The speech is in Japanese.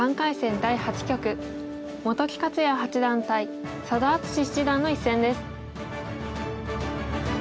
第８局本木克弥八段対佐田篤史七段の一戦です。